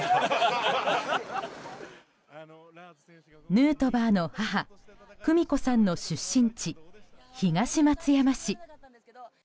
ヌートバーの母・久美子さんの出身地・東松山市。